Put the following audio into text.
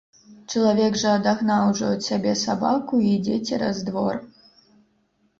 Чалавек жа адагнаў ужо ад сябе сабаку і ідзе цераз двор.